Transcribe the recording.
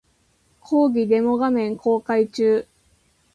講義デモ画面公開中